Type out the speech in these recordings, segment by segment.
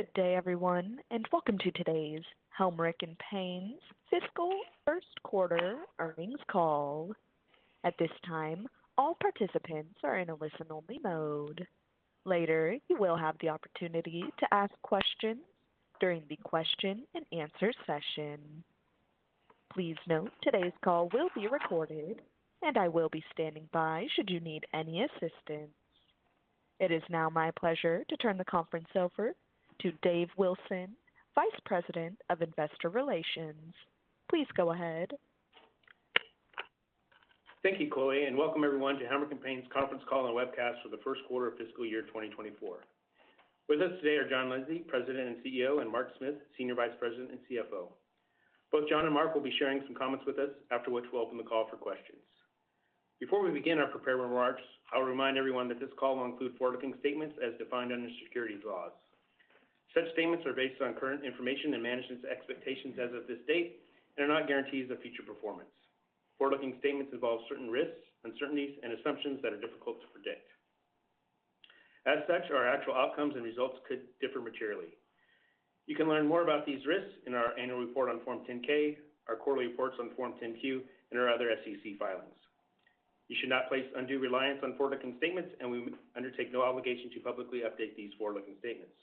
Good day, everyone, and welcome to today's Helmerich & Payne's Fiscal First Quarter Earnings Call. At this time, all participants are in a listen-only mode. Later, you will have the opportunity to ask questions during the question-and-answer session. Please note, today's call will be recorded, and I will be standing by should you need any assistance. It is now my pleasure to turn the conference over to Dave Wilson, Vice President of Investor Relations. Please go ahead. Thank you, Chloe, and welcome everyone to Helmerich & Payne's Conference Call and Webcast for the First Quarter of Fiscal Year 2024. With us today are John Lindsay, President and CEO, and Mark Smith, Senior Vice President and CFO. Both John and Mark will be sharing some comments with us, after which we'll open the call for questions. Before we begin our prepared remarks, I'll remind everyone that this call will include forward-looking statements as defined under securities laws. Such statements are based on current information and management's expectations as of this date, they are not guarantees of future performance. Forward-looking statements involve certain risks, uncertainties, and assumptions that are difficult to predict. As such, our actual outcomes and results could differ materially. You can learn more about these risks in our annual report on Form 10-K, our quarterly reports on Form 10-Q, and our other SEC filings. You should not place undue reliance on forward-looking statements, and we undertake no obligation to publicly update these forward-looking statements.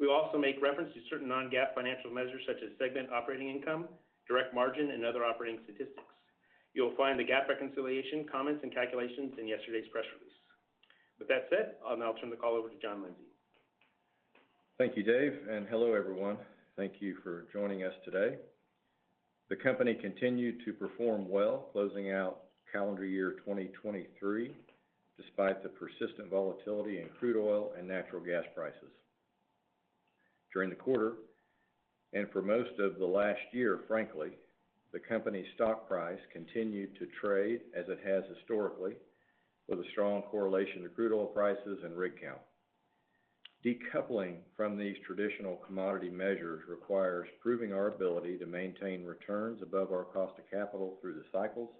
We also make reference to certain non-GAAP financial measures such as segment operating income, direct margin, and other operating statistics. You'll find the GAAP reconciliation, comments, and calculations in yesterday's press release. With that said, I'll now turn the call over to John Lindsay. Thank you, Dave, and hello, everyone. Thank you for joining us today. The company continued to perform well, closing out calendar year 2023, despite the persistent volatility in crude oil and natural gas prices. During the quarter, and for most of the last year, frankly, the company's stock price continued to trade as it has historically, with a strong correlation to crude oil prices and rig count. Decoupling from these traditional commodity measures requires proving our ability to maintain returns above our cost of capital through the cycles,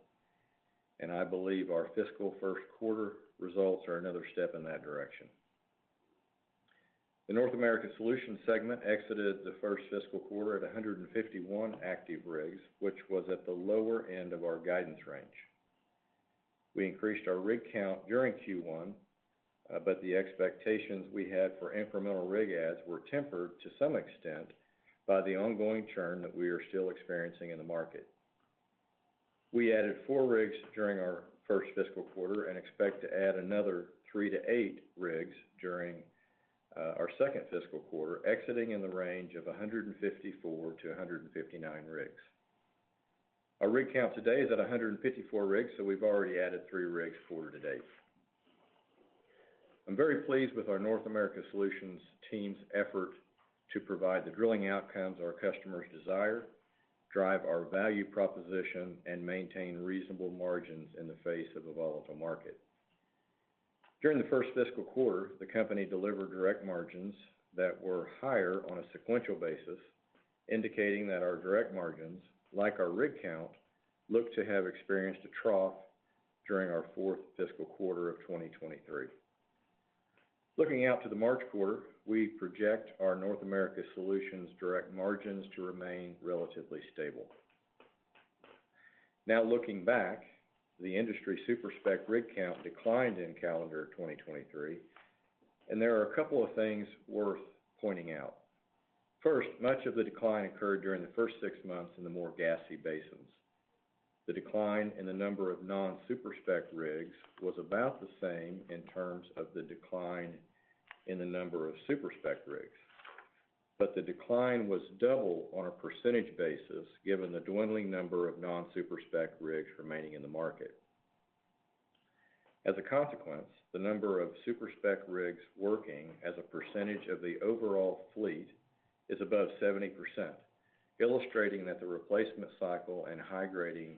and I believe our fiscal first quarter results are another step in that direction. The North American Solutions segment exited the first fiscal quarter at 151 active rigs, which was at the lower end of our guidance range. We increased our rig count during Q1, but the expectations we had for incremental rig adds were tempered to some extent by the ongoing churn that we are still experiencing in the market. We added 4 rigs during our first fiscal quarter and expect to add another 3-8 rigs during our second fiscal quarter, exiting in the range of 154-159 rigs. Our rig count today is at 154 rigs, so we've already added 3 rigs quarter to date. I'm very pleased with our North America Solutions team's effort to provide the drilling outcomes our customers desire, drive our value proposition, and maintain reasonable margins in the face of a volatile market. During the first fiscal quarter, the company delivered direct margins that were higher on a sequential basis, indicating that our direct margins, like our rig count, look to have experienced a trough during our fourth fiscal quarter of 2023. Looking out to the March quarter, we project our North America Solutions direct margins to remain relatively stable. Now, looking back, the industry super-spec rig count declined in calendar 2023, and there are a couple of things worth pointing out. First, much of the decline occurred during the first six months in the more gassy basins. The decline in the number of non-super-spec rigs was about the same in terms of the decline in the number of super-spec rigs, but the decline was double on a percentage basis, given the dwindling number of non-super-spec rigs remaining in the market. As a consequence, the number of super-spec rigs working as a percentage of the overall fleet is above 70%, illustrating that the replacement cycle and high-grading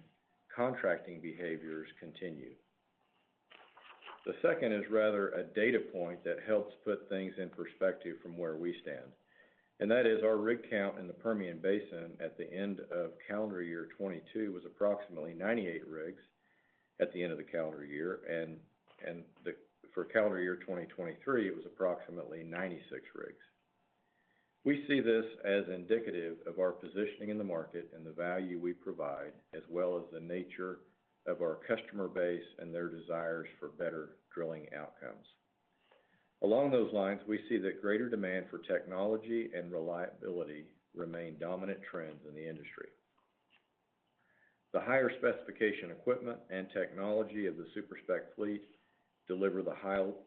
contracting behaviors continue. The second is rather a data point that helps put things in perspective from where we stand, and that is our rig count in the Permian Basin at the end of calendar year 2022 was approximately 98 rigs at the end of the calendar year, and for calendar year 2023, it was approximately 96 rigs. We see this as indicative of our positioning in the market and the value we provide, as well as the nature of our customer base and their desires for better drilling outcomes. Along those lines, we see that greater demand for technology and reliability remain dominant trends in the industry. The higher specification equipment and technology of the super-spec fleet deliver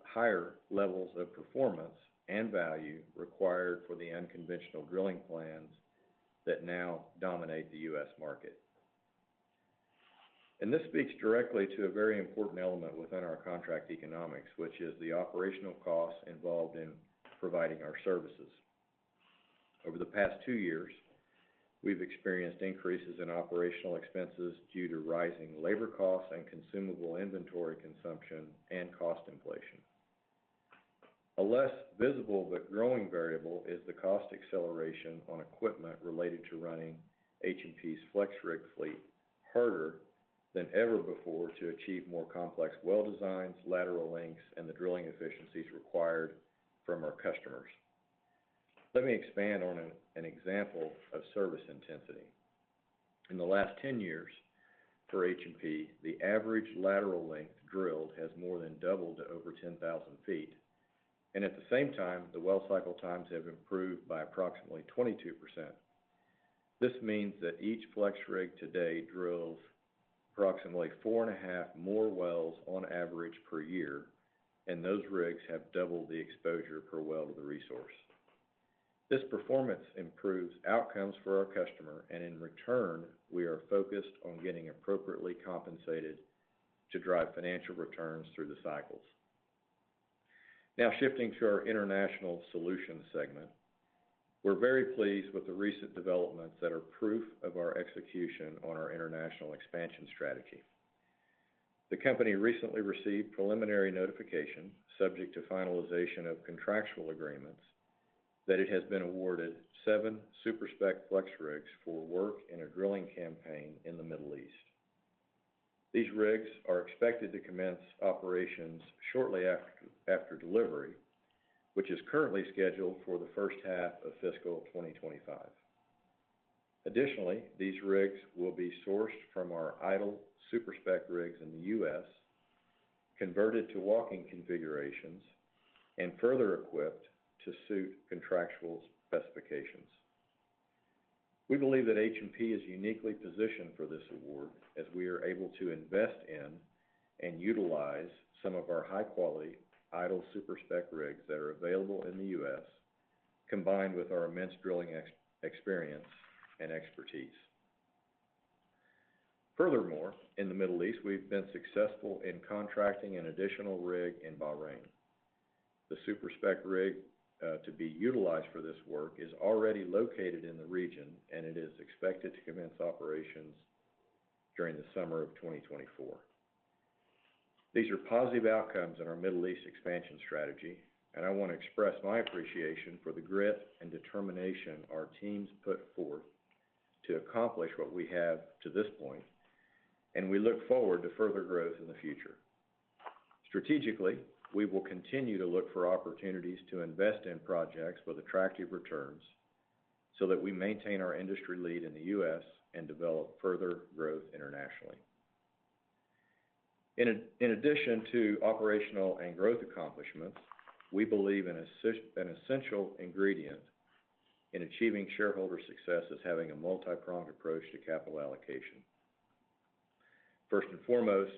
higher levels of performance and value required for the unconventional drilling plans that now dominate the U.S. market. This speaks directly to a very important element within our contract economics, which is the operational costs involved in providing our services. Over the past two years, we've experienced increases in operational expenses due to rising labor costs and consumable inventory consumption and cost inflation. A less visible but growing variable is the cost acceleration on equipment related to running H&P's FlexRig fleet harder than ever before to achieve more complex well designs, lateral lengths, and the drilling efficiencies required from our customers. Let me expand on an example of service intensity. In the last 10 years for H&P, the average lateral length drilled has more than doubled to over 10,000 feet. At the same time, the well cycle times have improved by approximately 22%. This means that each FlexRig today drills approximately 4.5 more wells on average per year, and those rigs have doubled the exposure per well to the resource. This performance improves outcomes for our customer, and in return, we are focused on getting appropriately compensated to drive financial returns through the cycles. Now, shifting to our International Solutions segment. We're very pleased with the recent developments that are proof of our execution on our international expansion strategy. The company recently received preliminary notification, subject to finalization of contractual agreements, that it has been awarded 7 super-spec FlexRigs for work in a drilling campaign in the Middle East. These rigs are expected to commence operations shortly after delivery, which is currently scheduled for the first half of fiscal 2025. Additionally, these rigs will be sourced from our idle super-spec rigs in the U.S., converted to walking configurations, and further equipped to suit contractual specifications. We believe that H&P is uniquely positioned for this award, as we are able to invest in and utilize some of our high-quality idle super-spec rigs that are available in the U.S., combined with our immense drilling experience and expertise. Furthermore, in the Middle East, we've been successful in contracting an additional rig in Bahrain. The super-spec rig to be utilized for this work is already located in the region, and it is expected to commence operations during the summer of 2024. These are positive outcomes in our Middle East expansion strategy, and I want to express my appreciation for the grit and determination our teams put forth to accomplish what we have to this point, and we look forward to further growth in the future. Strategically, we will continue to look for opportunities to invest in projects with attractive returns, so that we maintain our industry lead in the U.S. and develop further growth internationally. In addition to operational and growth accomplishments, we believe an essential ingredient in achieving shareholder success is having a multipronged approach to capital allocation. First and foremost,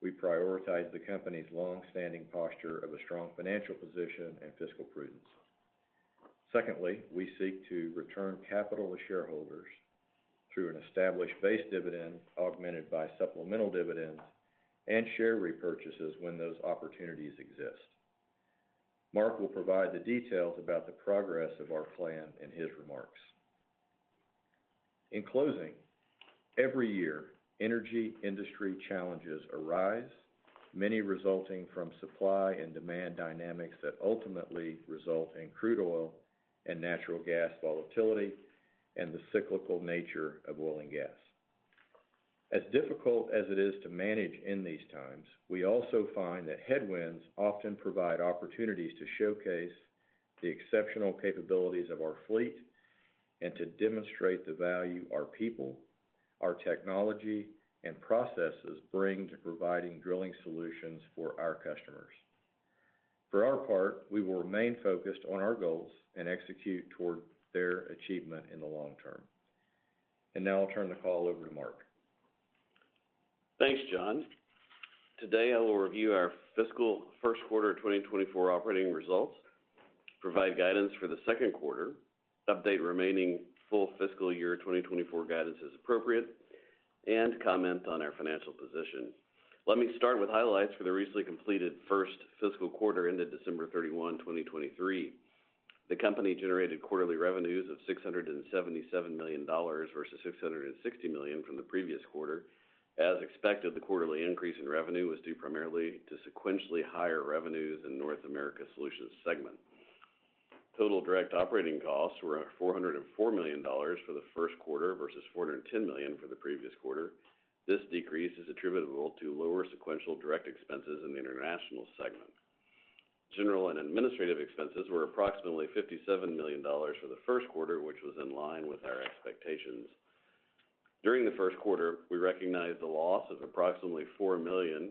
we prioritize the company's long-standing posture of a strong financial position and fiscal prudence. Secondly, we seek to return capital to shareholders through an established base dividend, augmented by supplemental dividends and share repurchases when those opportunities exist. Mark will provide the details about the progress of our plan in his remarks. In closing, every year, energy industry challenges arise, many resulting from supply and demand dynamics that ultimately result in crude oil and natural gas volatility, and the cyclical nature of oil and gas. As difficult as it is to manage in these times, we also find that headwinds often provide opportunities to showcase the exceptional capabilities of our fleet and to demonstrate the value our people, our technology, and processes bring to providing drilling solutions for our customers. For our part, we will remain focused on our goals and execute toward their achievement in the long term. Now I'll turn the call over to Mark. Thanks, John. Today, I will review our fiscal first quarter of 2024 operating results, provide guidance for the second quarter, update remaining full fiscal year 2024 guidance as appropriate, and comment on our financial position. Let me start with highlights for the recently completed first fiscal quarter, ended December 31, 2023. The company generated quarterly revenues of $677 million versus $660 million from the previous quarter. As expected, the quarterly increase in revenue was due primarily to sequentially higher revenues in North America Solutions segment. Total direct operating costs were at $404 million for the first quarter versus $410 million for the previous quarter. This decrease is attributable to lower sequential direct expenses in the international segment. General and administrative expenses were approximately $57 million for the first quarter, which was in line with our expectations. During the first quarter, we recognized a loss of approximately $4 million,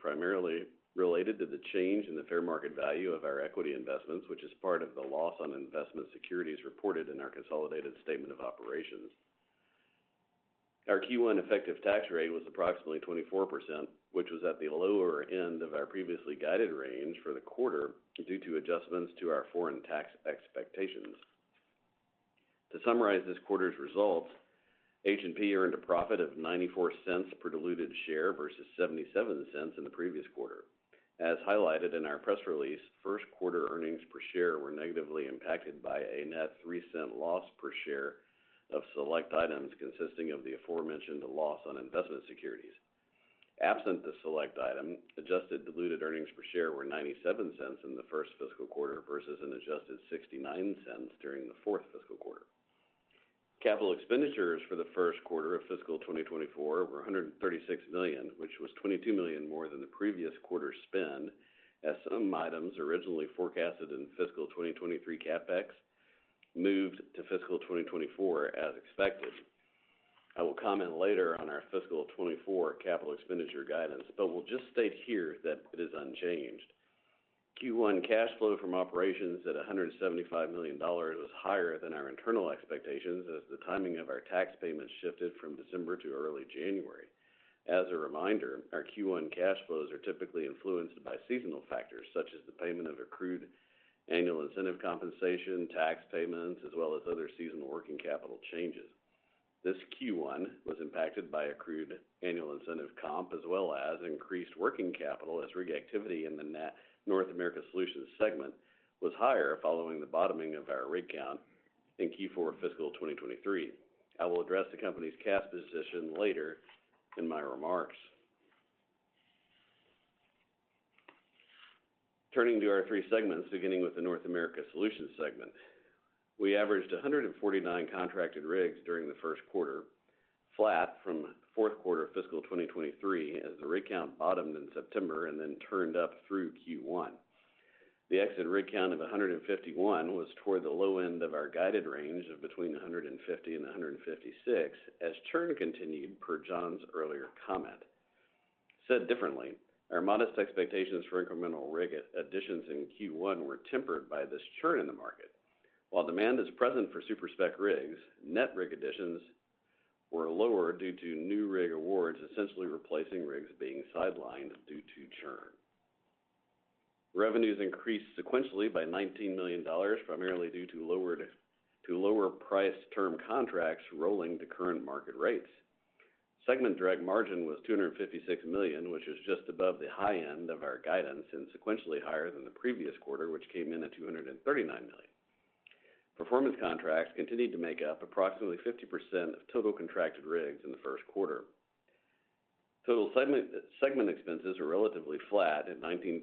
primarily related to the change in the fair market value of our equity investments, which is part of the loss on investment securities reported in our consolidated statement of operations. Our Q1 effective tax rate was approximately 24%, which was at the lower end of our previously guided range for the quarter, due to adjustments to our foreign tax expectations. To summarize this quarter's results, H&P earned a profit of $0.94 per diluted share versus $0.77 in the previous quarter. As highlighted in our press release, first quarter earnings per share were negatively impacted by a net $0.03 loss per share of select items, consisting of the aforementioned loss on investment securities. Absent the select item, adjusted diluted earnings per share were $0.97 in the first fiscal quarter versus an adjusted $0.69 during the fourth fiscal quarter. Capital expenditures for the first quarter of fiscal 2024 were $136 million, which was $22 million more than the previous quarter's spend, as some items originally forecasted in fiscal 2023 CapEx moved to fiscal 2024 as expected. I will comment later on our fiscal 2024 capital expenditure guidance, but will just state here that it is unchanged. Q1 cash flow from operations at $175 million was higher than our internal expectations, as the timing of our tax payments shifted from December to early January. As a reminder, our Q1 cash flows are typically influenced by seasonal factors, such as the payment of accrued annual incentive compensation, tax payments, as well as other seasonal working capital changes. This Q1 was impacted by accrued annual incentive comp, as well as increased working capital as rig activity in the North America Solutions segment was higher, following the bottoming of our rig count in Q4 fiscal 2023. I will address the company's cash position later in my remarks. Turning to our three segments, beginning with the North America Solutions segment. We averaged 149 contracted rigs during the first quarter, flat from fourth quarter fiscal 2023, as the rig count bottomed in September and then turned up through Q1. The exit rig count of 151 was toward the low end of our guided range of between 150 and 156, as churn continued, per John's earlier comment. Said differently, our modest expectations for incremental rig additions in Q1 were tempered by this churn in the market. While demand is present for super-spec rigs, net rig additions were lower due to new rig awards, essentially replacing rigs being sidelined due to churn. Revenues increased sequentially by $19 million, primarily due to lower priced term contracts rolling to current market rates. Segment direct margin was $256 million, which is just above the high end of our guidance, and sequentially higher than the previous quarter, which came in at $239 million. Performance contracts continued to make up approximately 50% of total contracted rigs in the first quarter. Total segment expenses are relatively flat at $19,600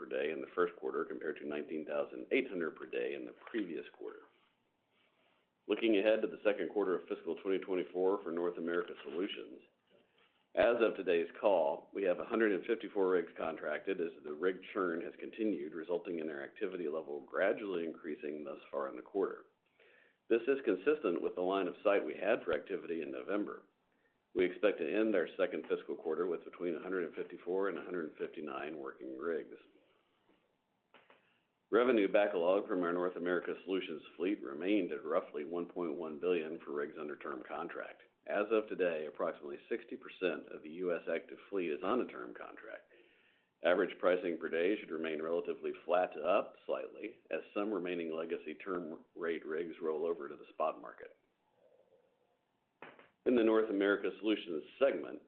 per day in the first quarter, compared to $19,800 per day in the previous quarter. Looking ahead to the second quarter of fiscal 2024 for North America Solutions, as of today's call, we have 154 rigs contracted as the rig churn has continued, resulting in our activity level gradually increasing thus far in the quarter. This is consistent with the line of sight we had for activity in November. We expect to end our second fiscal quarter with between 154 and 159 working rigs. Revenue backlog from our North America Solutions fleet remained at roughly $1.1 billion for rigs under term contract. As of today, approximately 60% of the U.S. active fleet is on a term contract. Average pricing per day should remain relatively flat to up slightly, as some remaining legacy term rate rigs roll over to the spot market. In the North America Solutions segment,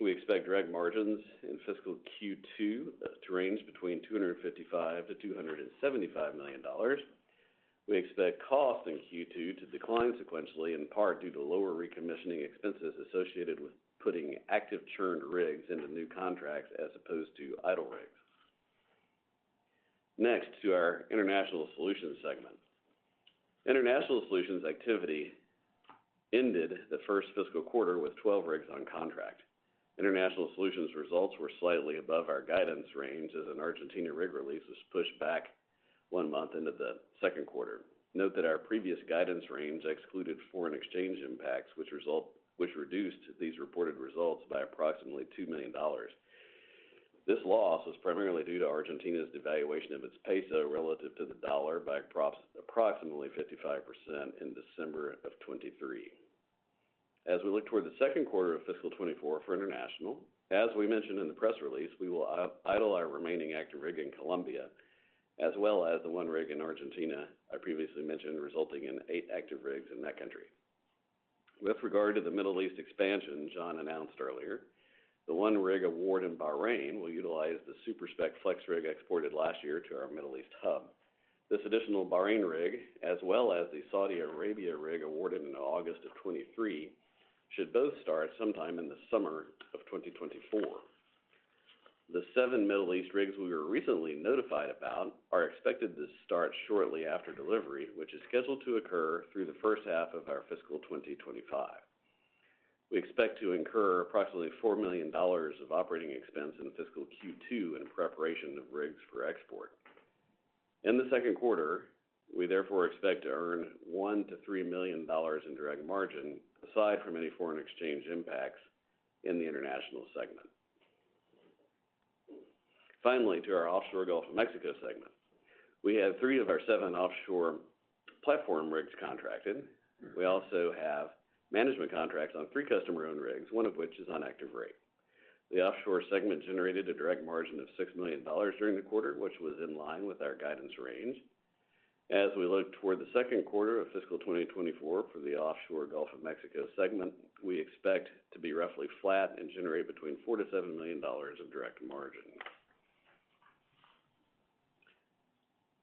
we expect direct margins in fiscal Q2 to range between $255 million-$275 million. We expect costs in Q2 to decline sequentially, in part due to lower recommissioning expenses associated with putting active churned rigs into new contracts as opposed to idle rigs. Next to our International Solutions segment. International Solutions activity ended the first fiscal quarter with 12 rigs on contract. International Solutions results were slightly above our guidance range, as an Argentina rig release is pushed back one month into the second quarter. Note that our previous guidance range excluded foreign exchange impacts, which reduced these reported results by approximately $2 million. This loss was primarily due to Argentina's devaluation of its peso relative to the dollar by approximately 55% in December 2023. As we look toward the second quarter of fiscal 2024 for International, as we mentioned in the press release, we will idle our remaining active rig in Colombia, as well as the one rig in Argentina I previously mentioned, resulting in eight active rigs in that country. With regard to the Middle East expansion John announced earlier, the one rig award in Bahrain will utilize the super-spec FlexRig exported last year to our Middle East hub. This additional Bahrain rig, as well as the Saudi Arabia rig awarded in August of 2023, should both start sometime in the summer of 2024. The seven Middle East rigs we were recently notified about, are expected to start shortly after delivery, which is scheduled to occur through the first half of our fiscal 2025. We expect to incur approximately $4 million of operating expense in fiscal Q2 in preparation of rigs for export. In the second quarter, we therefore expect to earn $1 million-$3 million in direct margin, aside from any foreign exchange impacts in the international segment. Finally, to our offshore Gulf of Mexico segment. We have three of our seven offshore platform rigs contracted. We also have management contracts on three customer-owned rigs, one of which is on active rig. The offshore segment generated a direct margin of $6 million during the quarter, which was in line with our guidance range. As we look toward the second quarter of fiscal 2024 for the offshore Gulf of Mexico segment, we expect to be roughly flat and generate between $4 million-$7 million of direct margin.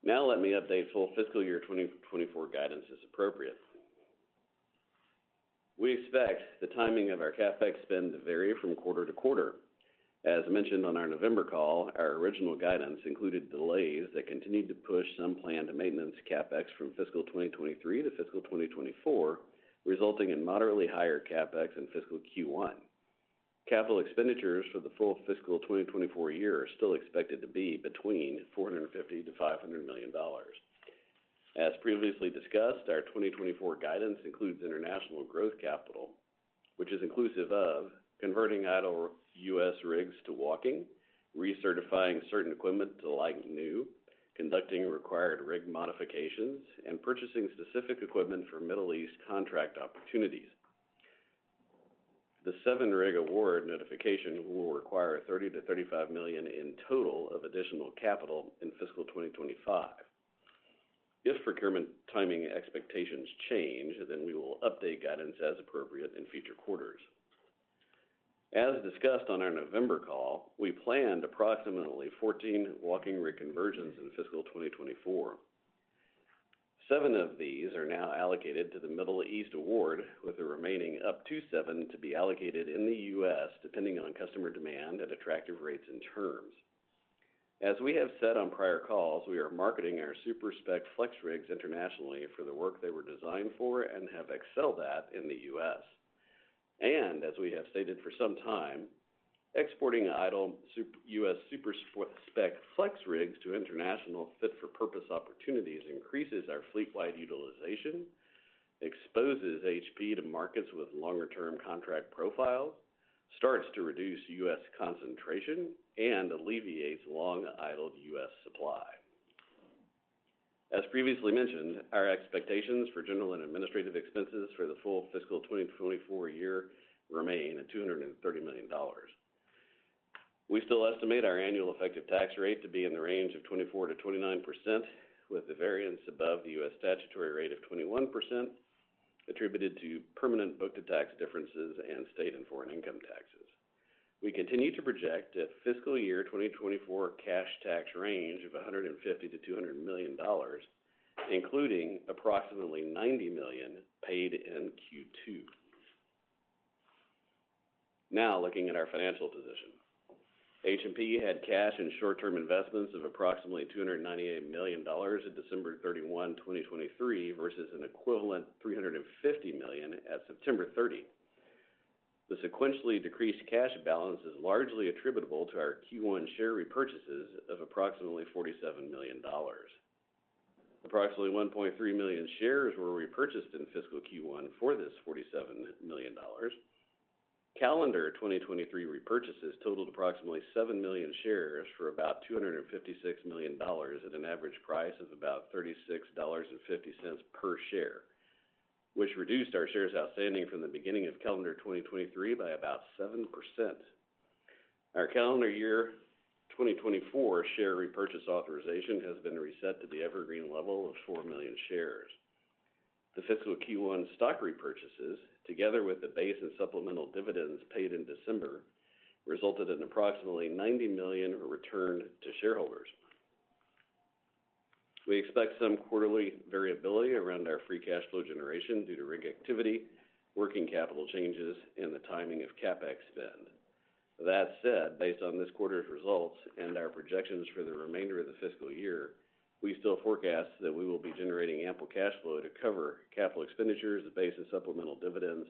Now let me update full fiscal year 2024 guidance as appropriate. We expect the timing of our CapEx spend to vary from quarter to quarter. As mentioned on our November call, our original guidance included delays that continued to push some planned maintenance CapEx from fiscal 2023 to fiscal 2024, resulting in moderately higher CapEx in fiscal Q1. Capital expenditures for the full fiscal 2024 year are still expected to be between $450 million-$500 million. As previously discussed, our 2024 guidance includes international growth capital, which is inclusive of converting idle U.S. rigs to walking, recertifying certain equipment to like new, conducting required rig modifications, and purchasing specific equipment for Middle East contract opportunities. The 7-rig award notification will require $30-$35 million in total of additional capital in fiscal 2025. If procurement timing expectations change, then we will update guidance as appropriate in future quarters. As discussed on our November call, we planned approximately 14 walking rig conversions in fiscal 2024. Seven of these are now allocated to the Middle East award, with the remaining up to seven to be allocated in the U.S., depending on customer demand at attractive rates and terms. As we have said on prior calls, we are marketing our super-spec FlexRigs internationally for the work they were designed for and have excelled at in the U.S. As we have stated for some time, exporting idle U.S. super-spec FlexRigs to international fit-for-purpose opportunities increases our fleet-wide utilization, exposes HP to markets with longer-term contract profiles, starts to reduce U.S. concentration, and alleviates long-idled U.S. supply. As previously mentioned, our expectations for general and administrative expenses for the full fiscal 2024 year remain at $230 million. We still estimate our annual effective tax rate to be in the range of 24%-29%, with the variance above the U.S. statutory rate of 21% attributed to permanent book-to-tax differences and state and foreign income taxes. We continue to project a fiscal year 2024 cash tax range of $150 million-$200 million, including approximately $90 million paid in Q2. Now, looking at our financial position. H&P had cash and short-term investments of approximately $298 million at December 31, 2023, versus an equivalent $350 million at September 30. The sequentially decreased cash balance is largely attributable to our Q1 share repurchases of approximately $47 million. Approximately 1.3 million shares were repurchased in fiscal Q1 for this $47 million. Calendar 2023 repurchases totaled approximately seven million shares for about $256 million at an average price of about $36.50 per share, which reduced our shares outstanding from the beginning of calendar 2023 by about 7%. Our calendar year 2024 share repurchase authorization has been reset to the evergreen level of four million shares. The fiscal Q1 stock repurchases, together with the base and supplemental dividends paid in December, resulted in approximately $90 million returned to shareholders. We expect some quarterly variability around our free cash flow generation due to rig activity, working capital changes, and the timing of CapEx spend. That said, based on this quarter's results and our projections for the remainder of the fiscal year, we still forecast that we will be generating ample cash flow to cover capital expenditures, the base and supplemental dividends.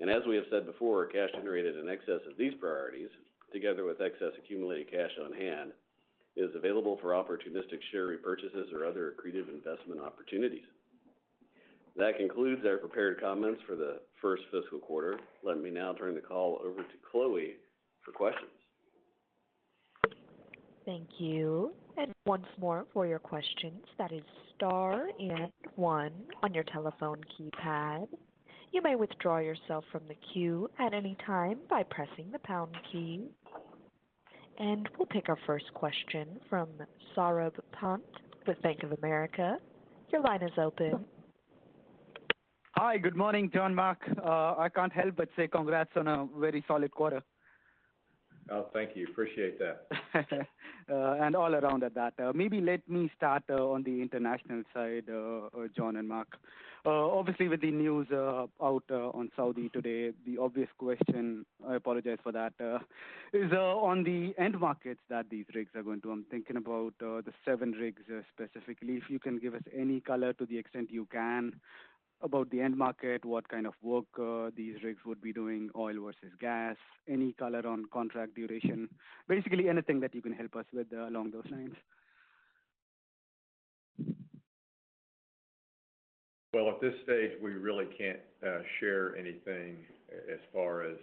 And as we have said before, cash generated in excess of these priorities, together with excess accumulated cash on hand, is available for opportunistic share repurchases or other accretive investment opportunities. That concludes our prepared comments for the first fiscal quarter. Let me now turn the call over to Chloe for questions. Thank you. And once more for your questions, that is star and one on your telephone keypad. You may withdraw yourself from the queue at any time by pressing the pound key. And we'll take our first question from Saurabh Pant, with Bank of America. Your line is open. Hi, good morning, John, Mark. I can't help but say congrats on a very solid quarter. Oh, thank you. Appreciate that. And all around at that. Maybe let me start on the international side, John and Mark. Obviously, with the news out on Saudi today, the obvious question, I apologize for that, is on the end markets that these rigs are going to. I'm thinking about the seven rigs specifically. If you can give us any color to the extent you can about the end market, what kind of work these rigs would be doing, oil versus gas, any color on contract duration, basically anything that you can help us with along those lines? Well, at this stage, we really can't share anything as far as,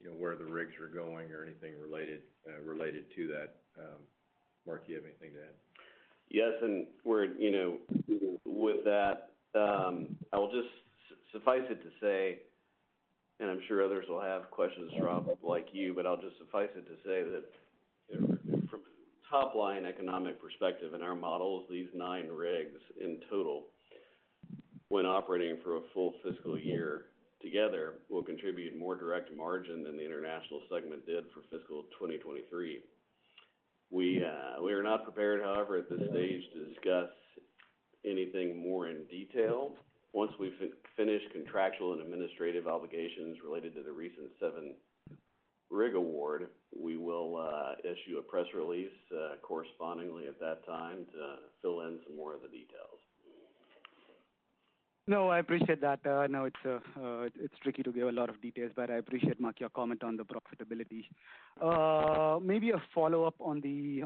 you know, where the rigs are going or anything related, related to that. Mark, you have anything to add? Yes, and we're, you know, with that, I will just suffice it to say, and I'm sure others will have questions from like you, but I'll just suffice it to say that, you know, from top line economic perspective in our models, these nine rigs in total, when operating for a full fiscal year together, will contribute more direct margin than the international segment did for fiscal 2023. We are not prepared, however, at this stage, to discuss anything more in detail. Once we've finished contractual and administrative obligations related to the recent 7-rig award, we will issue a press release correspondingly at that time to fill in some more of the details. No, I appreciate that. I know it's tricky to give a lot of details, but I appreciate, Mark, your comment on the profitability. Maybe a follow-up on the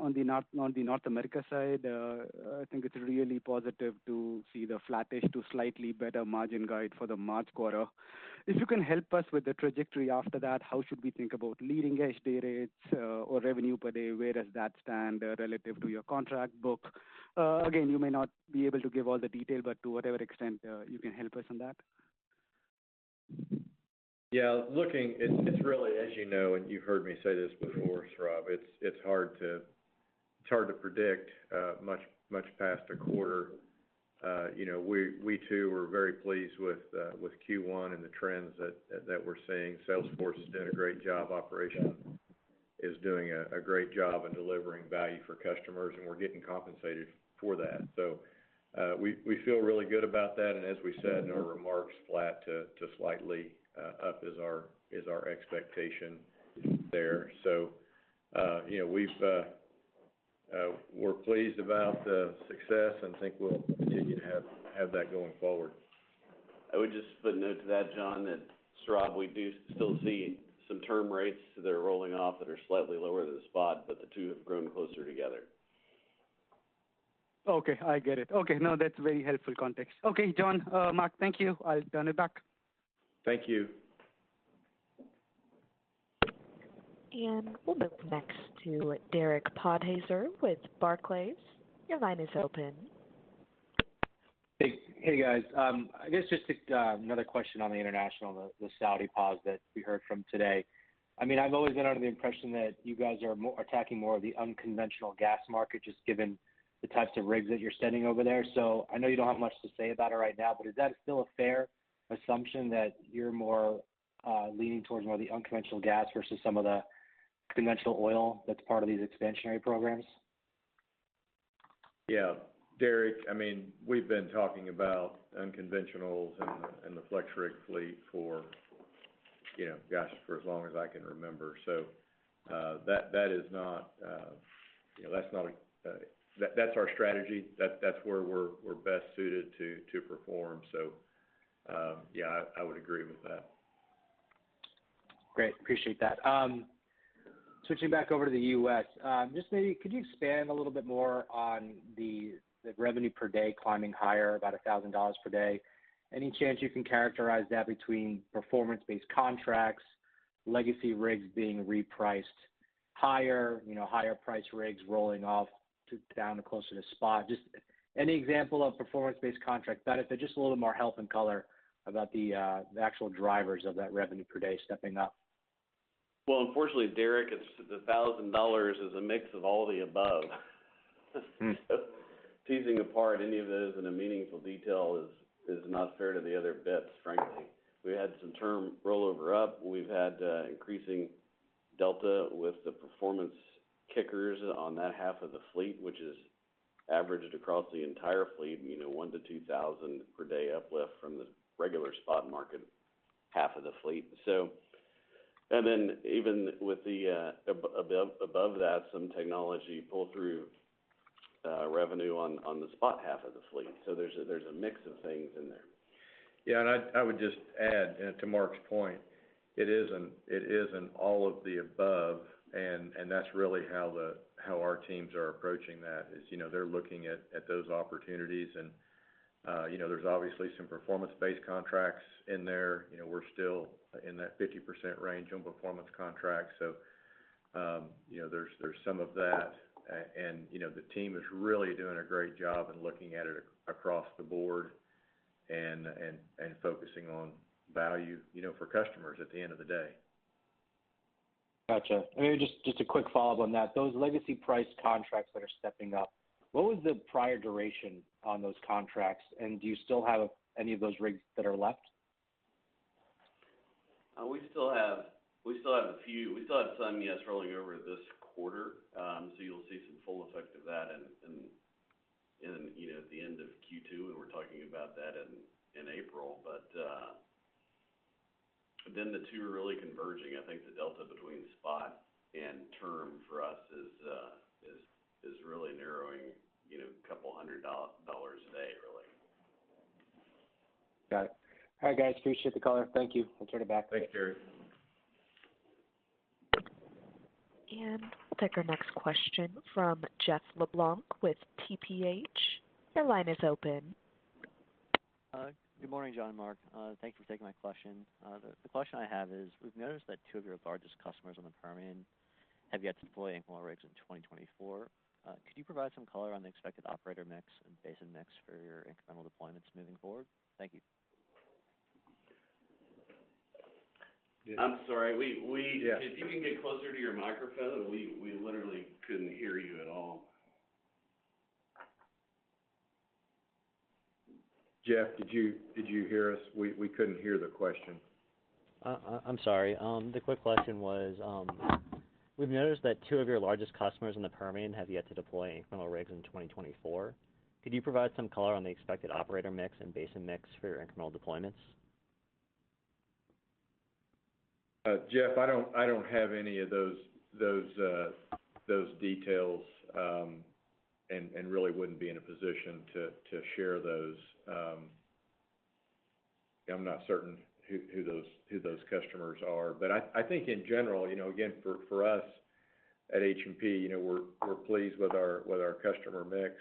North America side. I think it's really positive to see the flattish to slightly better margin guide for the March quarter. If you can help us with the trajectory after that, how should we think about leading edge rates or revenue per day? Where does that stand relative to your contract book? Again, you may not be able to give all the detail, but to whatever extent you can help us on that. Yeah, looking, it's really, as you know, and you've heard me say this before, Saurabh, it's hard to predict much past a quarter. You know, we too are very pleased with Q1 and the trends that we're seeing. Salesforce has done a great job. Operations is doing a great job in delivering value for customers, and we're getting compensated for that. So, we feel really good about that, and as we said in our remarks, flat to slightly up is our expectation there. So, you know, we're pleased about the success and think we'll continue to have that going forward. I would just put a note to that, John, that Saurabh, we do still see some term rates that are rolling off, that are slightly lower than the spot, but the two have grown closer together. Okay, I get it. Okay. No, that's very helpful context. Okay, John, Mark, thank you. I'll turn it back. Thank you. And we'll move next to Derek Podhaizer with Barclays. Your line is open. Hey, hey, guys. I guess just another question on the International, the Saudi pause that we heard from today. I mean, I've always been under the impression that you guys are more attacking more of the unconventional gas market, just given the types of rigs that you're sending over there. So I know you don't have much to say about it right now, but is that still a fair assumption that you're more leaning towards more of the unconventional gas versus some of the conventional oil that's part of these expansionary programs? Yeah, Derek, I mean, we've been talking about unconventionals and the FlexRig fleet for, you know, gosh, for as long as I can remember. So, that is not, you know, that's not a. That's our strategy. That's where we're best suited to perform. So, yeah, I would agree with that. Great, appreciate that. Switching back over to the U.S., just maybe could you expand a little bit more on the revenue per day climbing higher, about $1,000 per day? Any chance you can characterize that between performance-based contracts, legacy rigs being repriced higher, you know, higher priced rigs rolling off to down closer to spot? Just any example of performance-based contract benefits, but just a little more help and color about the actual drivers of that revenue per day stepping up. Well, unfortunately, Derek, it's the $1,000 is a mix of all the above. Teasing apart any of those in a meaningful detail is not fair to the other bits, frankly. We had some term rollover up. We've had increasing delta with the performance kickers on that half of the fleet, which is averaged across the entire fleet, you know, 1-2,000 per day uplift from the regular spot market, half of the fleet. So. And then, even with the above that, some technology pull through revenue on the spot half of the fleet. So there's a mix of things in there. Yeah, and I'd, I would just add to Mark's point, it is an, it is an all of the above, and, and that's really how the how our teams are approaching that, is, you know, they're looking at, at those opportunities and, you know, there's obviously some performance-based contracts in there. You know, we're still in that 50% range on performance contracts. So, you know, there's, there's some of that. And, you know, the team is really doing a great job in looking at it across the board and, and, and focusing on value, you know, for customers at the end of the day. Gotcha. Maybe just, just a quick follow-up on that. Those legacy price contracts that are stepping up, what was the prior duration on those contracts? And do you still have any of those rigs that are left? We still have a few. We still have some, yes, rolling over this quarter. So you'll see some full effect of that in, you know, at the end of Q2, and we're talking about that in April. But then the two are really converging. I think the delta between spot and term for us is really narrowing, you know, a couple hundred dollars a day, really. Got it. All right, guys, appreciate the call. Thank you. I'll turn it back. Thanks, Derek. We'll take our next question from Jeff LeBlanc with TPH. Your line is open. Good morning, John and Mark. Thank you for taking my question. The question I have is, we've noticed that two of your largest customers on the Permian have yet to deploy anchor rigs in 2024. Could you provide some color on the expected operator mix and basin mix for your incremental deployments moving forward? Thank you. I'm sorry. Yeah. If you can get closer to your microphone, we literally couldn't hear you at all. Jeff, did you hear us? We couldn't hear the question. I'm sorry. The quick question was, we've noticed that two of your largest customers in the Permian have yet to deploy incremental rigs in 2024. Could you provide some color on the expected operator mix and basin mix for your incremental deployments? Jeff, I don't have any of those details, and really wouldn't be in a position to share those. I'm not certain who those customers are. But I think in general, you know, again, for us at H&P, you know, we're pleased with our customer mix.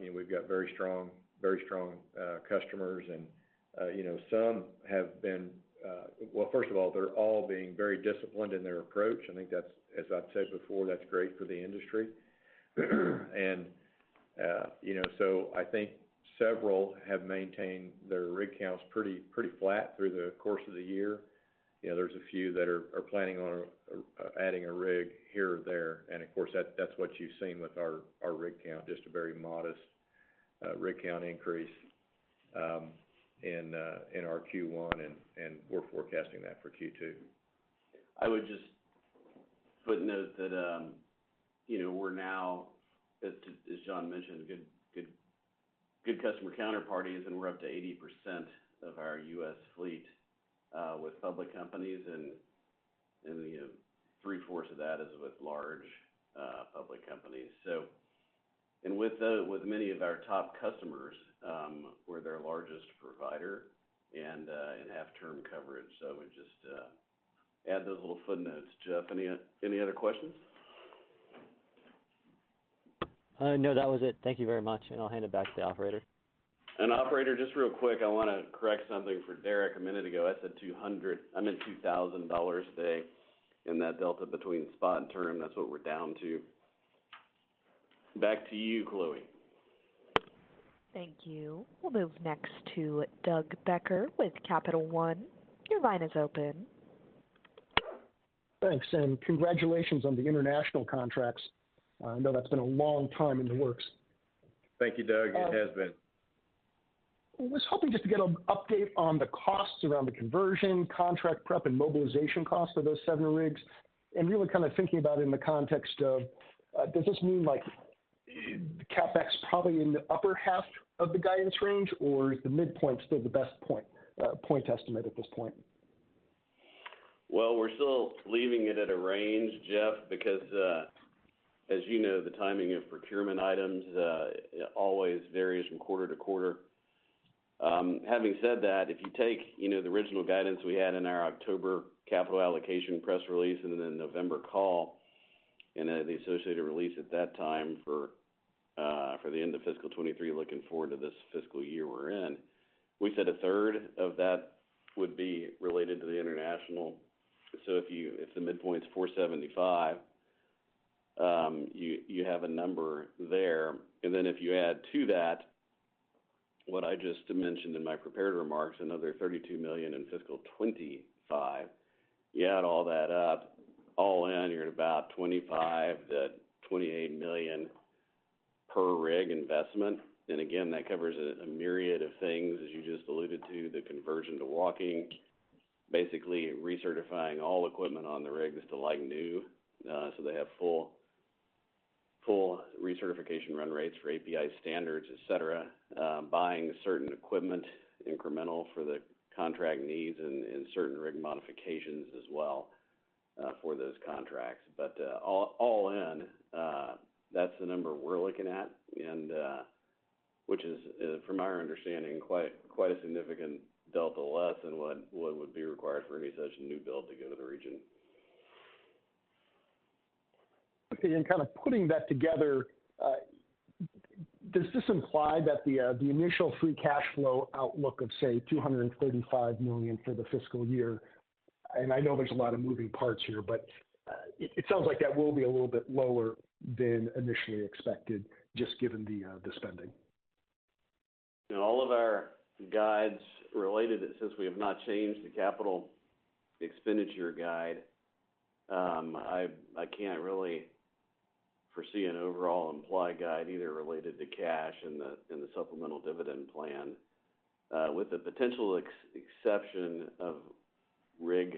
You know, we've got very strong customers, and you know, some have been. Well, first of all, they're all being very disciplined in their approach. I think that's, as I've said before, great for the industry. And you know, so I think several have maintained their rig counts pretty flat through the course of the year. You know, there's a few that are planning on adding a rig here or there, and of course, that's what you've seen with our rig count, just a very modest rig count increase in our Q1, and we're forecasting that for Q2. I would just footnote that, you know, we're now, as John mentioned, good customer counterparties, and we're up to 80% of our U.S. fleet with public companies, and you know, three-fourths of that is with large public companies. So, and with many of our top customers, we're their largest provider, and have term coverage. So I would just add those little footnotes. Jeff, any other questions? No, that was it. Thank you very much, and I'll hand it back to the operator. And operator, just real quick, I wanna correct something for Derek a minute ago. I said 200, I meant $2,000 a day in that delta between spot and term. That's what we're down to. Back to you, Chloe. Thank you. We'll move next to Doug Becker with Capital One. Your line is open. Thanks, and congratulations on the International contracts. I know that's been a long time in the works. Thank you, Doug. It has been. I was hoping just to get an update on the costs around the conversion, contract prep, and mobilization costs of those seven rigs. And really kind of thinking about it in the context of, does this mean, like, the CapEx probably in the upper half of the guidance range, or is the midpoint still the best point, point estimate at this point? Well, we're still leaving it at a range, Jeff, because as you know, the timing of procurement items always varies from quarter to quarter. Having said that, if you take, you know, the original guidance we had in our October capital allocation press release, and then the November call, and the associated release at that time for the end of fiscal 2023, looking forward to this fiscal year we're in, we said a third of that would be related to the International. So if you—if the midpoint's 475, you, you have a number there. And then if you add to that, what I just mentioned in my prepared remarks, another $32 million in fiscal 2025. You add all that up, all in, you're at about $25 million-$28 million per rig investment. And again, that covers a myriad of things, as you just alluded to, the conversion to walking, basically recertifying all equipment on the rigs to like new. So they have full recertification run rates for API standards, et cetera. Buying certain equipment, incremental for the contract needs and certain rig modifications as well, for those contracts. But all in, that's the number we're looking at, and which is, from our understanding, quite a significant delta less than what would be required for any such new build to go to the region. Okay, and kind of putting that together, does this imply that the initial free cash flow outlook of, say, $235 million for the fiscal year? And I know there's a lot of moving parts here, but it sounds like that will be a little bit lower than initially expected, just given the spending. In all of our guides related, since we have not changed the capital expenditure guide, I can't really foresee an overall implied guide, either related to cash and the supplemental dividend plan. With the potential exception of rig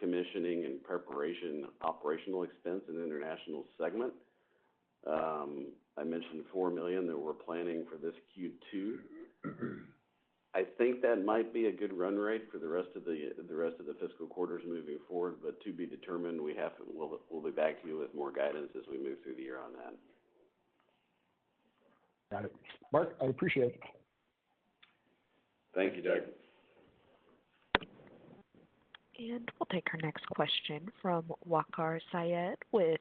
commissioning and preparation operational expense in the International segment, I mentioned $4 million that we're planning for this Q2. I think that might be a good run rate for the rest of the fiscal quarters moving forward, but to be determined, we'll be back to you with more guidance as we move through the year on that. Got it. Mark, I appreciate it. Thank you, Doug. We'll take our next question from Waqar Syed with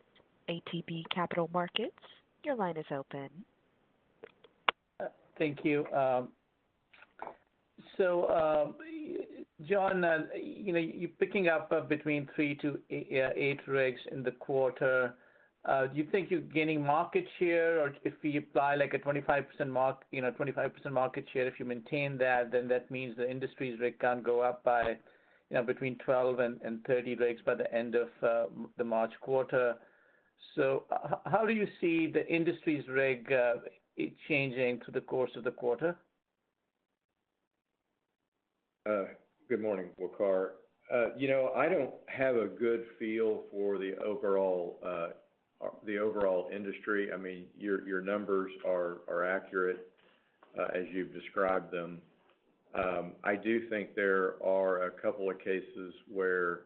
ATB Capital Markets. Your line is open. Thank you. So, John, you know, you're picking up between 3-8 rigs in the quarter. Do you think you're gaining market share? Or if you buy like a 25% mark, you know, 25% market share, if you maintain that, then that means the industry's rig count go up by, you know, between 12 and 30 rigs by the end of the March quarter. So how do you see the industry's rig it changing through the course of the quarter? Good morning, Waqar. You know, I don't have a good feel for the overall industry. I mean, your numbers are accurate as you've described them. I do think there are a couple of cases where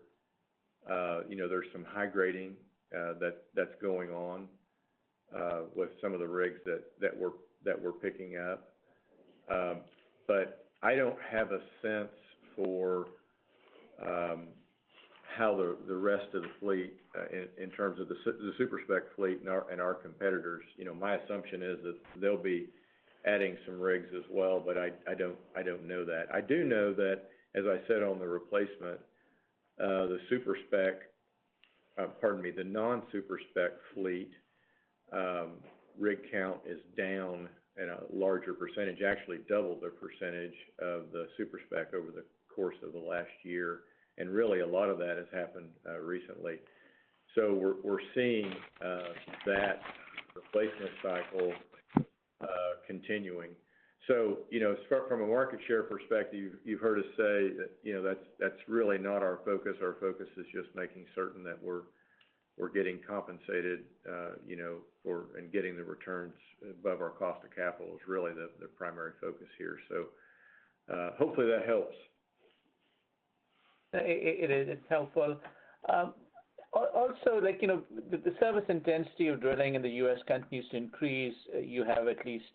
you know, there's some high grading that's going on with some of the rigs that we're picking up. But I don't have a sense for how the rest of the fleet in terms of the super-spec fleet and our competitors. You know, my assumption is that they'll be adding some rigs as well, but I don't know that. I do know that, as I said on the replacement, the super-spec. Pardon me, the non-super-spec fleet, rig count is down at a larger percentage, actually double the percentage of the super-spec over the course of the last year, and really, a lot of that has happened recently. So we're, we're seeing that replacement cycle continuing. So, you know, from a market share perspective, you've, you've heard us say that, you know, that's, that's really not our focus. Our focus is just making certain that we're, we're getting compensated, you know, for and getting the returns above our cost of capital is really the, the primary focus here. So, hopefully that helps. It is. It's helpful. Also, like, you know, the service intensity of drilling in the U.S. continues to increase. You have at least,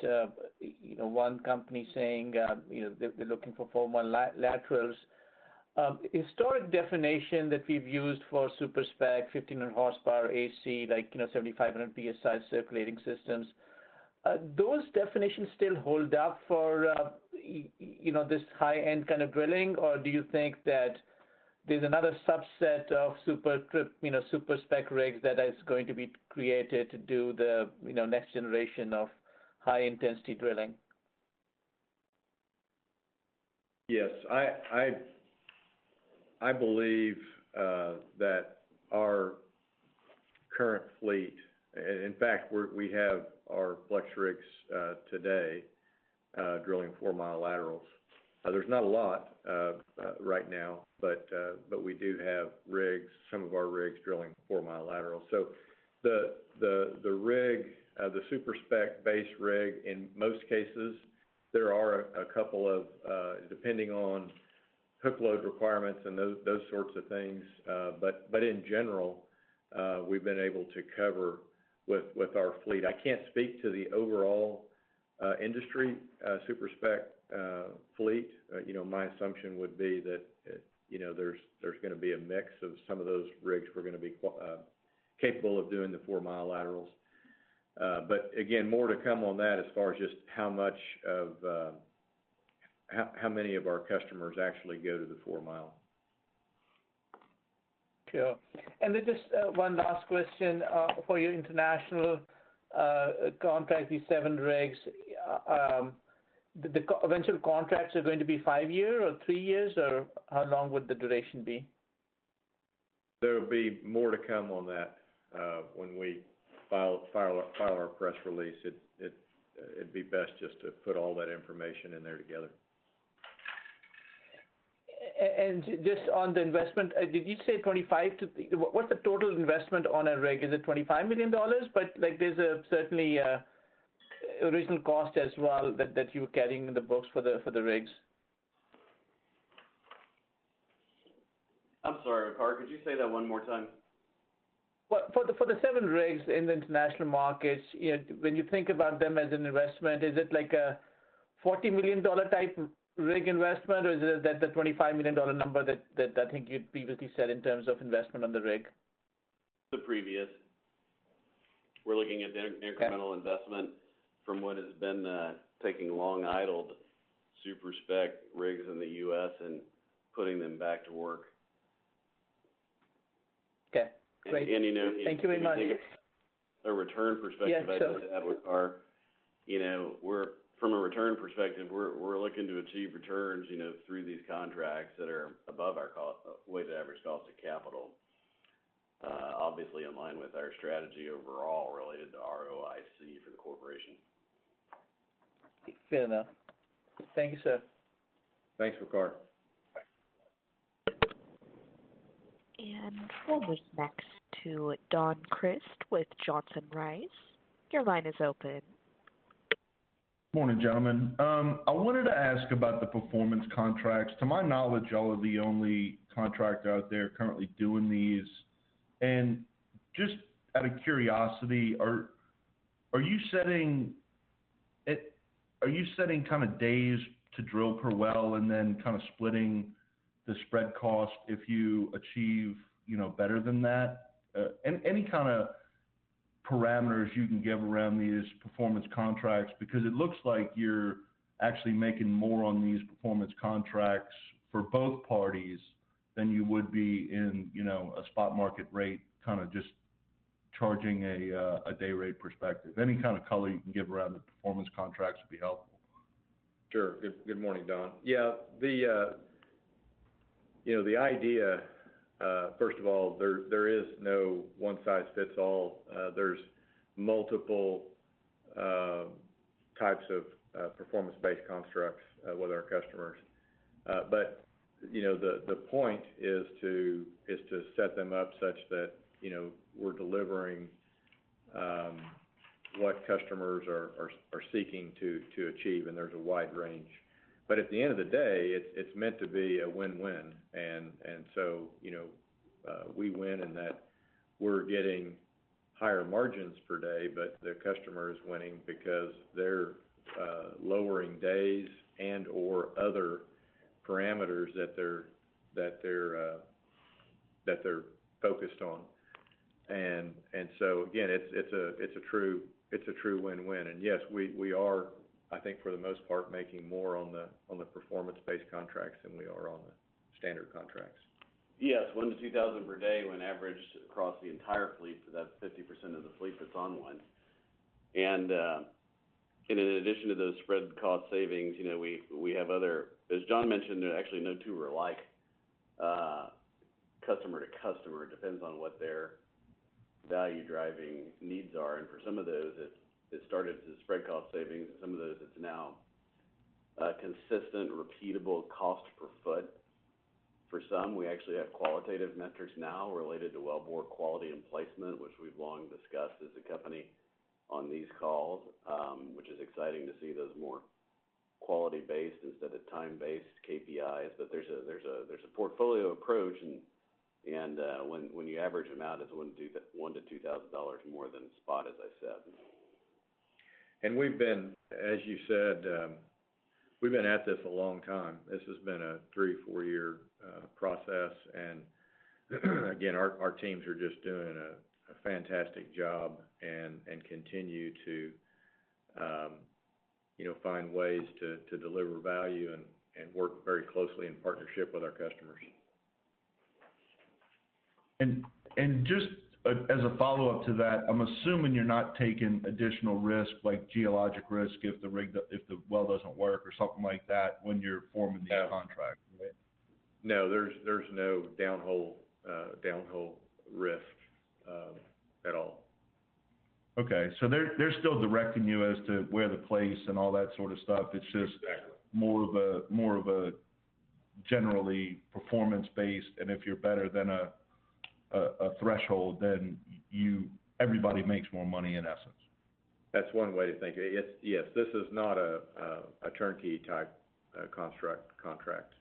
you know, one company saying, you know, they're looking for four-mile laterals. Historic definition that we've used for super-spec, 1,500 horsepower AC, like, you know, 7,500 psi circulating systems, do those definitions still hold up for, you know, this high-end kind of drilling? Or do you think that there's another subset of super-spec, you know, super-spec rigs that is going to be created to do the, you know, next generation of high-intensity drilling? Yes. I believe that our current fleet—in fact, we have our FlexRigs today drilling four-mile laterals. There's not a lot right now, but we do have rigs, some of our rigs drilling four-mile laterals. So the rig, the super-spec base rig, in most cases, there are a couple of, depending on hook load requirements and those sorts of things, but in general, we've been able to cover with our fleet. I can't speak to the overall industry super-spec fleet. You know, my assumption would be that, you know, there's gonna be a mix of some of those rigs were gonna be capable of doing the four-mile laterals. But again, more to come on that as far as just how much of, how many of our customers actually go to the four-mile. Sure. And then just one last question for your international contract, these seven rigs, the eventual contracts are going to be five year or 3 years, or how long would the duration be? There will be more to come on that, when we file our press release. It'd be best just to put all that information in there together. And just on the investment, did you say 25 to... What, what's the total investment on a rig? Is it $25 million? But, like, there's certainly an original cost as well, that you're carrying in the books for the rigs. I'm sorry, Waqar, could you say that one more time? Well, for the seven rigs in the international markets, you know, when you think about them as an investment, is it like a $40 million type rig investment, or is it the $25 million number that I think you previously said in terms of investment on the rig? The previous. We're looking at the incremental investment from what has been taking long-idled super-spec rigs in the U.S. and putting them back to work. Okay, great. You know, if you think- Thank you very much. ..a return perspective- Waqar, you know, we're from a return perspective, we're looking to achieve returns, you know, through these contracts that are above our weighted average cost of capital. Obviously, in line with our strategy overall related to ROIC for the corporation. Fair enough. Thank you, sir. Thanks, Waqar. Bye. We'll be next to Don Crist with Johnson Rice. Your line is open. Morning, gentlemen. I wanted to ask about the performance contracts. To my knowledge, y'all are the only contract out there currently doing these. And just out of curiosity, are you setting kind of days to drill per well and then kind of splitting the spread cost if you achieve, you know, better than that? Any kind of parameters you can give around these performance contracts? Because it looks like you're actually making more on these performance contracts for both parties than you would be in, you know, a spot market rate, kind of just charging a day rate perspective. Any kind of color you can give around the performance contracts would be helpful. Sure. Good morning, Don. Yeah, you know, the idea, first of all, there is no one-size-fits-all. There's multiple types of performance-based constructs with our customers. But, you know, the point is to set them up such that, you know, we're delivering what customers are seeking to achieve, and there's a wide range. But at the end of the day, it's meant to be a win-win. And so, you know, we win in that we're getting higher margins per day, but the customer is winning because they're lowering days and/or other parameters that they're focused on. And so again, it's a true win-win. Yes, we are, I think, for the most part, making more on the performance-based contracts than we are on the standard contracts. Yes, $1,000-$2,000 per day, when averaged across the entire fleet. So that's 50% of the fleet that's on one. And, in addition to those spread cost savings, you know, we have other, as John mentioned, there actually, no two are alike, customer to customer. It depends on what their value-driving needs are, and for some of those, it started as a spread cost savings, and some of those, it's now a consistent, repeatable cost per foot. For some, we actually have qualitative metrics now related to wellbore quality and placement, which we've long discussed as a company on these calls, which is exciting to see those more quality-based instead of time-based KPIs. But there's a portfolio approach, and when you average them out, it's $1,000-$2,000 more than spot, as I said. As you said, we've been at this a long time. This has been a 3- or 4-year process. And again, our teams are just doing a fantastic job and continue to, you know, find ways to deliver value and work very closely in partnership with our customers. And just as a follow-up to that, I'm assuming you're not taking additional risk, like geologic risk, if the well doesn't work or something like that, when you're forming the contract, right? No, there's no downhole risk at all. Okay. So they're still directing you as to where to place and all that sort of stuff. It's just more of a generally performance-based, and if you're better than a threshold, then you, everybody makes more money, in essence. That's one way to think of it. Yes, yes, this is not a turnkey-type construct contract.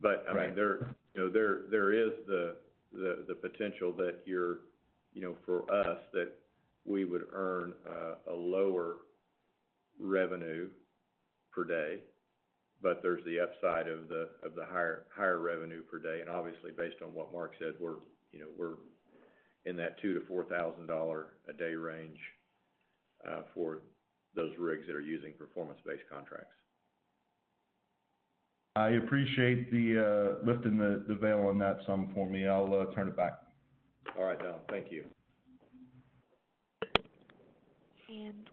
But- Right I mean, you know, there is the potential that you're, you know, for us, that we would earn a lower revenue per day, but there's the upside of the higher revenue per day. And obviously, based on what Mark said, we're, you know, in that $2,000-$4,000 a day range for those rigs that are using performance-based contracts. I appreciate lifting the veil on that some for me. I'll turn it back. All right, Don. Thank you.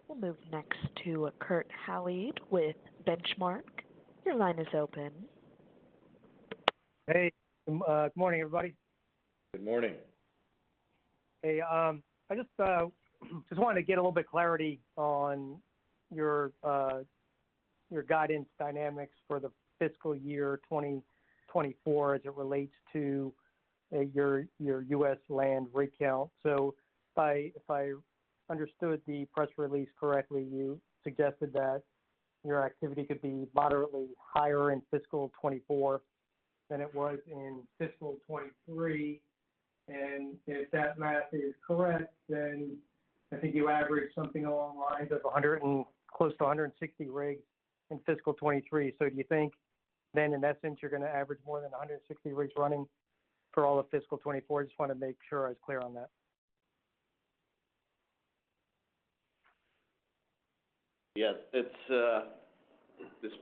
We'll move next to Kurt Hallead with Benchmark. Your line is open. Hey, good morning, everybody. Good morning. Hey, I just wanted to get a little bit clarity on your guidance dynamics for the fiscal year 2024, as it relates to your U.S. land rig count. So if I understood the press release correctly, you suggested that your activity could be moderately higher in fiscal 2024 than it was in fiscal 2023. And if that math is correct, then I think you averaged something along the lines of close to 160 rigs in fiscal 2023. So do you think then, in essence, you're gonna average more than 160 rigs running for all of fiscal 2024? Just wanna make sure I was clear on that. Yes, it's this,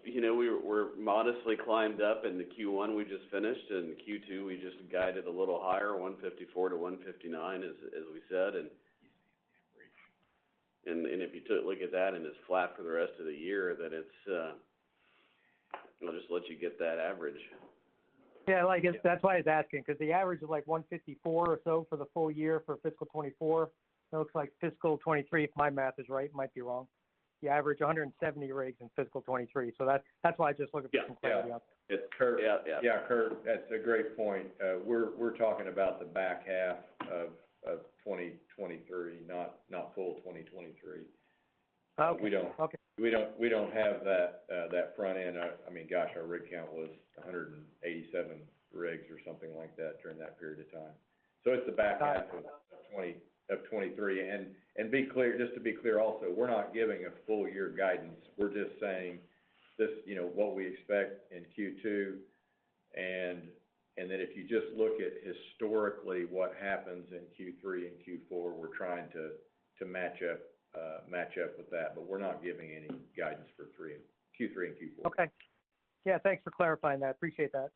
you know, we're modestly climbed up in the Q1 we just finished, and Q2, we just guided a little higher, 154-159, as we said. And if you took a look at that, and it's flat for the rest of the year, then it's, I'll just let you get that average. Yeah, well, I guess that's why I was asking, because the average of, like, 154 or so for the full year for fiscal 2024, it looks like fiscal 2023, if my math is right, it might be wrong. You averaged 170 rigs in fiscal 2023, so that's, that's why I just looking for some clarity on it. Yeah. It's Kurt- Yeah, yeah. Yeah, Kurt, that's a great point. We're talking about the back half of 2023, not full 2023. Okay. We don't, we don't have that front end. I mean, gosh, our rig count was 187 rigs or something like that during that period of time. So it's the back half of 20, of 2023. And be clear, just to be clear also, we're not giving a full year guidance. We're just saying this, you know, what we expect in Q2. And then if you just look at historically what happens in Q3 and Q4, we're trying to match up with that, but we're not giving any guidance for Q3 and Q4. Okay. Yeah, thanks for clarifying that. Appreciate that.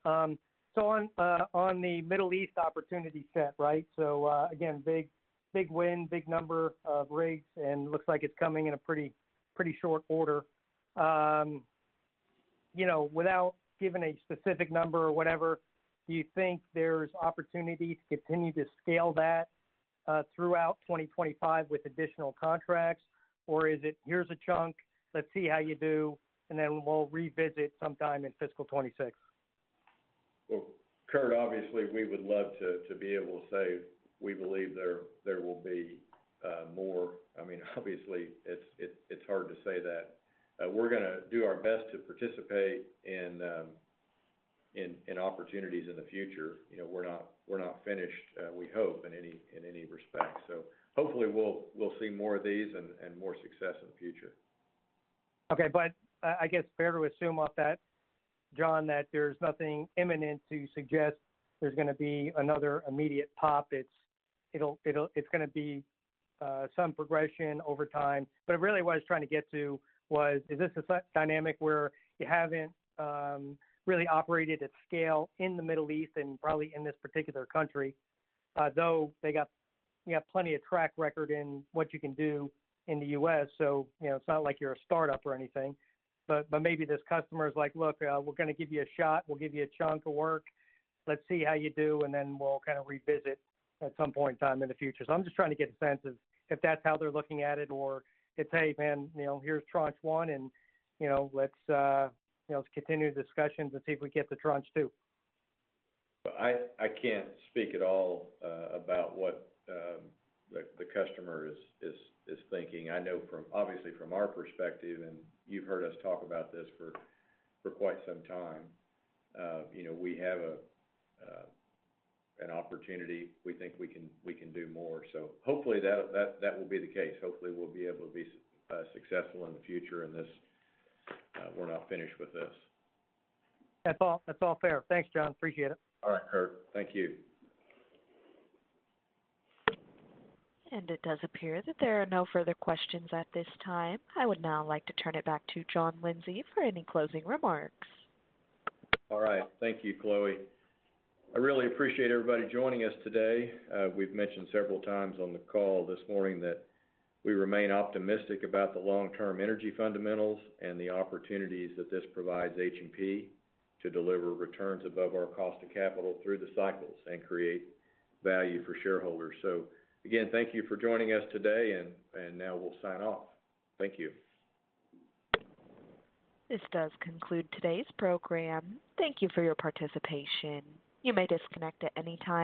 So on, on the Middle East opportunity set, right? So, again, big, big win, big number of rigs, and looks like it's coming in a pretty, pretty short order. You know, without giving a specific number or whatever, do you think there's opportunity to continue to scale that, throughout 2025 with additional contracts? Or is it, "Here's a chunk, let's see how you do, and then we'll revisit sometime in fiscal 2026? Well, Kurt, obviously, we would love to be able to say we believe there will be more. I mean, obviously, it's hard to say that. We're gonna do our best to participate in opportunities in the future. You know, we're not finished, we hope, in any respect. So hopefully, we'll see more of these and more success in the future. Okay. But, I guess fair to assume off that, John, that there's nothing imminent to suggest there's gonna be another immediate pop. It's gonna be some progression over time. But really what I was trying to get to was, is this a such dynamic where you haven't really operated at scale in the Middle East and probably in this particular country? Though you have plenty of track record in what you can do in the U.S., so, you know, it's not like you're a startup or anything, but maybe this customer is like, "Look, we're gonna give you a shot. We'll give you a chunk of work. Let's see how you do, and then we'll kind of revisit at some point in time in the future." So I'm just trying to get a sense of if that's how they're looking at it, or it's, "Hey, man, you know, here's tranche one, and, you know, let's continue the discussions and see if we get to tranche two. Well, I can't speak at all about what the customer is thinking. I know from—obviously, from our perspective, and you've heard us talk about this for quite some time, you know, we have an opportunity. We think we can do more. So hopefully, that will be the case. Hopefully, we'll be able to be successful in the future in this. We're not finished with this. That's all. That's all fair. Thanks, John. Appreciate it. All right, Kurt. Thank you. It does appear that there are no further questions at this time. I would now like to turn it back to John Lindsay for any closing remarks. All right. Thank you, Chloe. I really appreciate everybody joining us today. We've mentioned several times on the call this morning that we remain optimistic about the long-term energy fundamentals and the opportunities that this provides H&P to deliver returns above our cost of capital through the cycles and create value for shareholders. So again, thank you for joining us today, and, and now we'll sign off. Thank you. This does conclude today's program. Thank you for your participation. You may disconnect at any time.